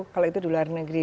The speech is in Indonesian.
kalau itu dular negeri